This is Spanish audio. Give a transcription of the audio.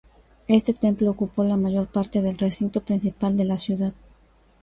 Este templo ocupó la mayor parte del recinto principal de la ciudad.